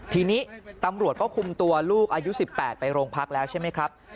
ทีนี้ตำรวจก็คุมตัวลูกอายุ๑๘ไปโรงพักแล้วใช่ไหมครับ